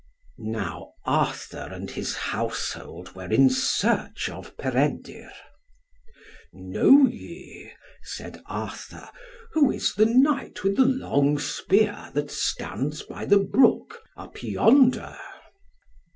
Now Arthur and his household were in search of Peredur. "Know ye," said Arthur, "who is the knight with the long spear that stands by the brook up yonder?"